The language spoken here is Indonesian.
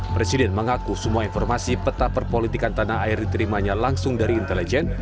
presiden mengaku semua informasi peta perpolitikan tanah air diterimanya langsung dari intelijen